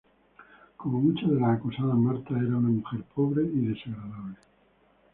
Como muchas de las acusadas, Martha era una mujer pobre y desagradable.